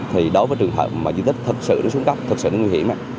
thì đối với trường hợp mà di tích thật sự xuống cấp thật sự nguy hiểm